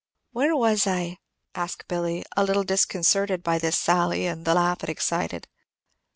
"Where was I?" asked Billy, a little disconcerted by this sally, and the laugh it excited.